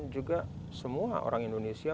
juga semua orang indonesia